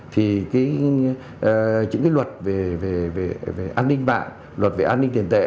thì những cái luật về an ninh mạng luật về an ninh tiền tệ